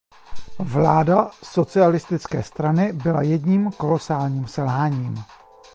Vláda Socialistické strany byla jedním kolosálním selháním.